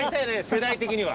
世代的には。